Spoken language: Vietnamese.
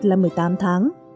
là một mươi tám tháng